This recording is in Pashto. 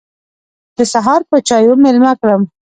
د سهار پر چايو مېلمه کړم.